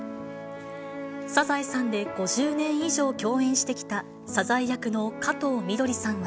サザエさんで５０年以上共演してきたサザエ役の加藤みどりさんは。